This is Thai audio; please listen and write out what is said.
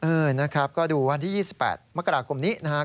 เออนะครับก็ดูวันที่๒๘มกราคมนี้นะครับ